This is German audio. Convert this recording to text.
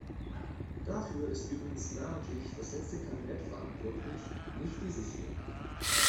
Dafür ist übrigens namentlich das letzte Kabinett verantwortlich nicht dieses hier.